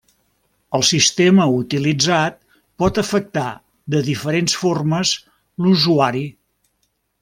El sistema utilitzat pot afectar de diferents formes l'usuari.